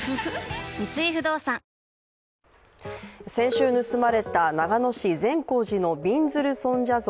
先週盗まれた長野市善光寺のびんずる尊者像